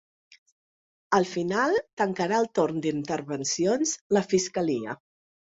Al final, tancarà el torn d’intervencions la fiscalia.